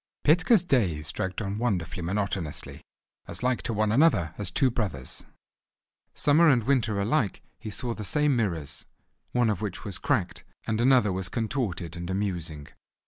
Petka's days dragged on wonderfully monotonously, as like to one another as two brothers. Summer and winter alike he saw the same mirrors, one of which was cracked, and another was contorted and amusing.